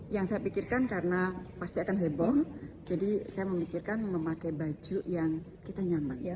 yang saya pikirkan karena pasti akan heboh jadi saya memikirkan memakai baju yang kita nyaman